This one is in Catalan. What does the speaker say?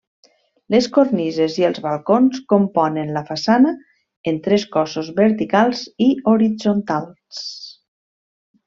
Les cornises i els balcons, componen la façana en tres cossos verticals i horitzontals.